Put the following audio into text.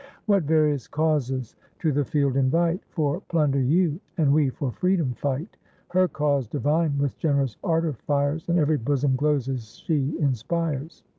What various causes to the field invite! For plunder YOU, and we for freedom fight, Her cause divine with generous ardor fires, And every bosom glows as she inspires!